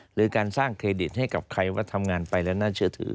หรือการสร้างเครดิตให้กับใครว่าทำงานไปแล้วน่าเชื่อถือ